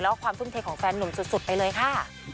และความฟึ่งเทคของแฟนหนุ่มสุดไปเลยค่ะ